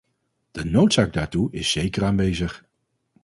De noodzaak daartoe is zeker aanwezig.